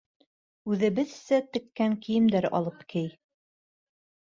Үҙебеҙсә теккән кейемдәр алып кей.